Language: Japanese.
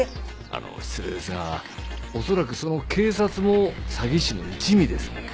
あの失礼ですが恐らくその警察も詐欺師の一味です。